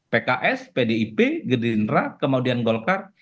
pks pdip gerindra kemudian golkar